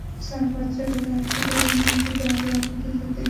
Sir, বাচ্চাটাকে হাসপাতালে নিয়ে যেতে হবে আমাদের যেতে দিন।